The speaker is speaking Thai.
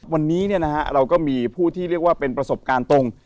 วันนี้เราก็มีผู้ที่เรียกว่าเป็นประสบการณ์ตรง